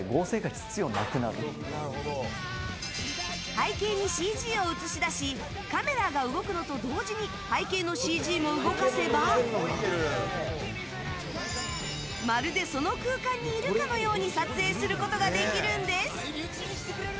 背景にＣＧを映し出しカメラが動くのと同時に背景のＣＧも動かせばまるでその空間にいるかのように撮影することができるんです。